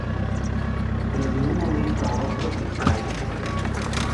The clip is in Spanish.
Pero de un momento a otro el paraíso se derrumbó.